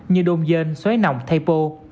như đôn dơn xoáy nòng thay pô